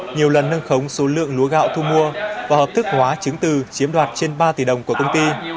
nhiều lần nâng khống số lượng lúa gạo thu mua và hợp thức hóa chứng từ chiếm đoạt trên ba tỷ đồng của công ty